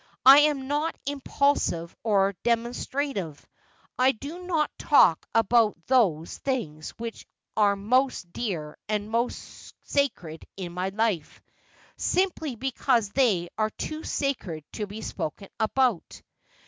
I am not impulsive or demonstrative — I do not talk about those things which are most dear and most sacred in my life, simply because they are too sacred to be spoken about.